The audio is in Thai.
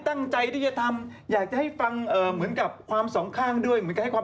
ไม่แต่ทำไมถึงต้องฆ่าคน